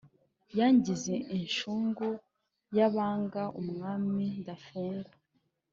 Yangize inshungu y'abanga umwami ndafungwa